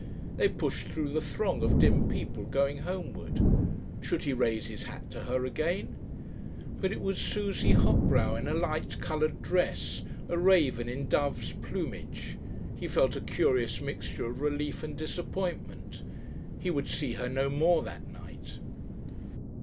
They pushed through the throng of dim people going homeward. Should he raise his hat to her again?... But it was Susie Hopbrow in a light coloured dress a raven in dove's plumage. He felt a curious mixture of relief and disappointment. He would see her no more that night.